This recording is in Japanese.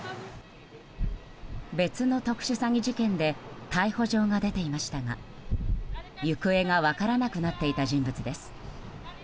別の特殊詐欺事件で逮捕状が出ていましたが行方が分からなくなっていた人物です。